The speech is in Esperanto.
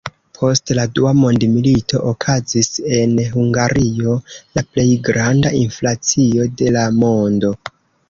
Post la Dua Mondmilito okazis en Hungario la plej granda inflacio de la mondo.